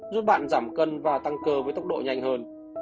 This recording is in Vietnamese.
giúp bạn giảm cân và tăng cơ với tốc độ nhanh hơn